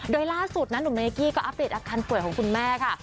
โดยล่าสุดนะหนุ่มเนกกี้ก็อัปเดตอาการป่วยของคุณแม่ค่ะ